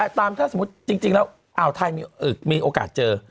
แต่ตามถ้าสมมุติจริงแล้วอ่าวไทยมีโอกาสเจอ